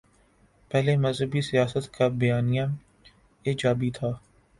پہلے مذہبی سیاست کا بیانیہ ایجابی تھا۔